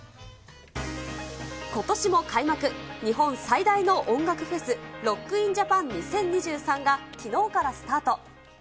ことしも開幕、日本最大の音楽フェス、ロック・イン・ジャパン２０２３が、きのうからスタート。